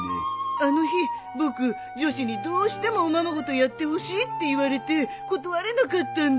あの日僕女子にどうしてもおままごとやってほしいって言われて断れなかったんだ。